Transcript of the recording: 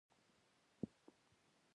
د شوتلې اوبه د څه لپاره وڅښم؟